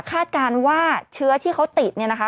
การว่าเชื้อที่เขาติดเนี่ยนะคะ